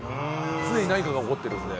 常に何かが起こってるので。